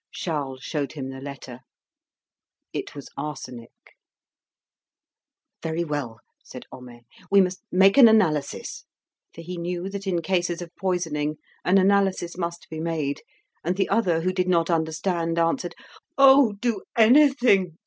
Charles showed him the letter. It was arsenic. "Very well," said Homais, "we must make an analysis." For he knew that in cases of poisoning an analysis must be made; and the other, who did not understand, answered "Oh, do anything!